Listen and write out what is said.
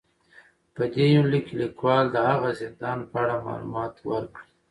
په دې يونليک کې ليکوال د هغه زندان په اړه معلومات ور کړي